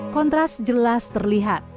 kontras jelas terlihat